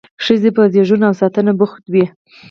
ښځې به په زیږون او ساتنه بوختې وې.